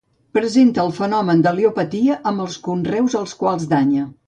Presenta el fenomen de l'al·lelopatia amb els conreus als quals danya.